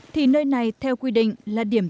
thì nơi này theo quy định là điểm